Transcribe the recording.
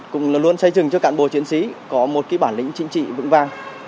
cũng là luôn xây dựng cho các cán bộ chiến sĩ có một kỹ bản lĩnh chính trị vững vang